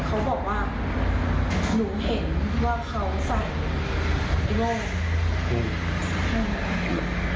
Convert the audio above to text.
เขาบอกว่าหนูเห็นว่าเขาใส่แว่น